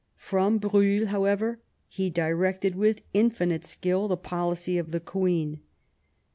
From Briihl, however, he directed with infinite skill the policy of the queen.